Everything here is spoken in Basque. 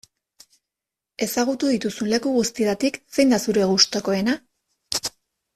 Ezagutu dituzun leku guztietatik zein da zure gustukoena?